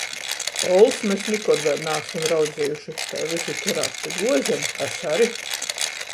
Ols mes nikod vēļ naasam raudzejuši, tai vysi kerās pi gluozem, es ari.